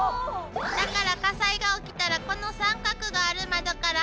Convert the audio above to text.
だから火災が起きたらこの三角がある窓から入るの。